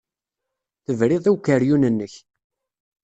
Tebriḍ i ukeryun-nnek.